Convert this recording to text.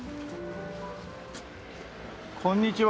こんにちは。